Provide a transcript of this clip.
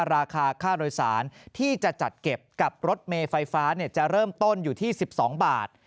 ราคาค่าโดยสารที่จะจัดเก็บกับรถเมย์ไฟฟ้าจะเริ่มต้นอยู่ที่๑๒บาท